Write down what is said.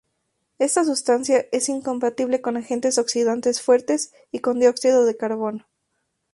Esta sustancia es incompatible con agentes oxidantes fuertes y con dióxido de carbono.